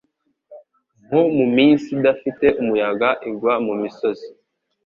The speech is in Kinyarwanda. nko muminsi idafite umuyaga igwa mumisozi